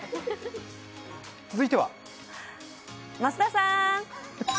続いては増田さーん。